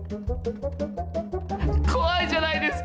怖いじゃないですか！